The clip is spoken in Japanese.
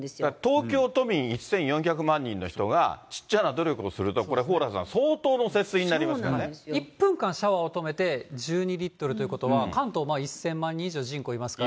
東京都民、１４００万人の人が、ちっちゃな努力をすると、これ、蓬莱さん、１分間シャワーを止めて１２リットルということは、関東１０００万人以上人口いますから。